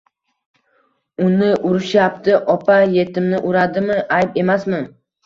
Uni urishyapti opa, etimni uradimi? Ayb emasmi?